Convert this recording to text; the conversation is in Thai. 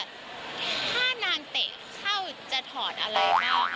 ถ้านางเตะเข้าจะถอดอะไรเข้า